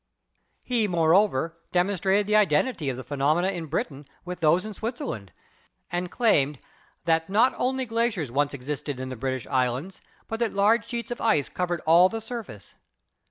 He, moreover, demonstrated the identity of the phe nomena in Britain with those in Switzerland, and claimed "that not only glaciers once existed in the British Islands, but that large sheets of ice covered all the surface."